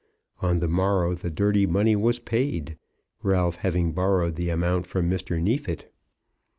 On the morrow the dirty money was paid, Ralph having borrowed the amount from Mr. Neefit.